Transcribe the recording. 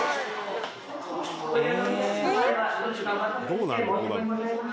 どうなるの？